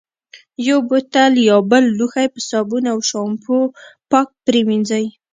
یو بوتل یا بل لوښی په صابون او شامپو پاک پرېمنځي.